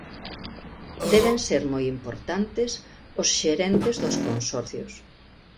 Deben ser moi importantes os xerentes dos consorcios.